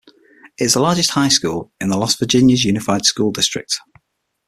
It is the largest high school in the Las Virgenes Unified School District.